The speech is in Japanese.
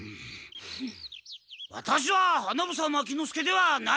ワタシは花房牧之介ではない。